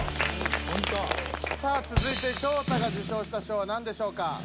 さあつづいてショウタが受賞した賞は何でしょうか？